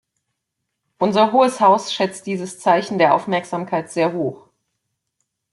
Unser Hohes Haus schätzt dieses Zeichen der Aufmerksamkeit sehr hoch.